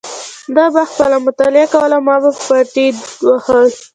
ده به خپله مطالعه کوله او ما به پایډل واهه.